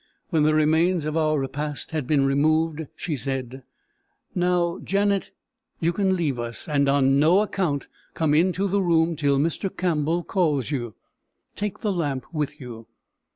When the remains of our repast had been removed, she said: "Now, Janet, you can leave us; and on no account come into the room till Mr. Campbell calls you. Take the lamp with you."